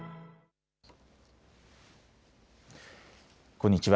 こんにちは。